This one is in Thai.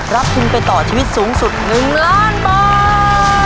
รับทุนไปต่อชีวิตสูงสุด๑ล้านบาท